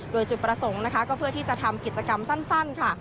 โดยจุดประสงค์นะคะก็เพื่อที่จะทำกิจกรรมสั้นค่ะ